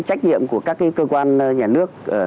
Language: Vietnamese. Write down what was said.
cái trách nhiệm của các cơ quan nhà nước